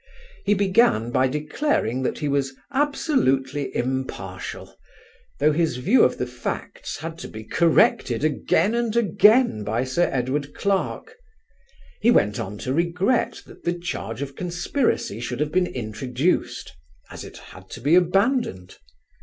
He began by declaring that he was "absolutely impartial," though his view of the facts had to be corrected again and again by Sir Edward Clarke: he went on to regret that the charge of conspiracy should have been introduced, as it had to be abandoned.